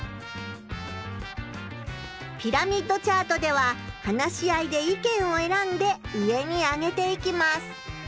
ピラミッドチャートでは話し合いで意見をえらんで上にあげていきます。